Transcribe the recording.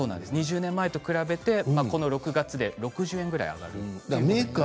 ２０年前と比べてこの６月で６０円くらい上がる。